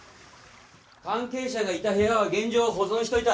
関係者がいた部屋は現状を保存しておいた。